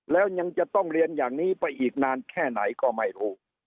แล้วยังจะต้องเรียนอย่างนี้ไปอีกนานแค่ไหนก็ไม่รู้